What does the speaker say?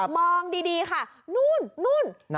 มองดีค่ะนู่น